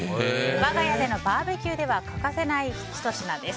我が家でのバーベキューでは欠かせないひと品です。